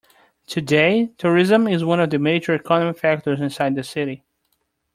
Today, tourism is one of the major economic factors inside the city.